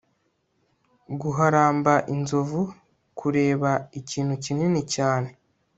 guharamba inzovu kureba ikintu kinini cyane